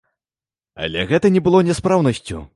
Але гэта не было няспраўнасцю.